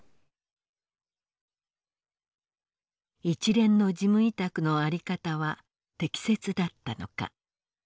一連の事務委託のあり方は適切だったのか。